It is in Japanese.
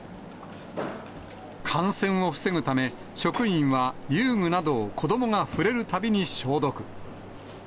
感染を防ぐため、職員は遊具などは子どもが触れるたびに消毒。